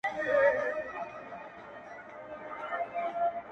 زما غمی یې دی له ځانه سره وړﺉ.